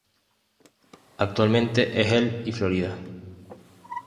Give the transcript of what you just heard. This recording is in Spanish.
Actualmente es el y Florida.